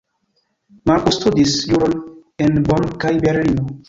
Marcus studis juron en Bonn kaj Berlino.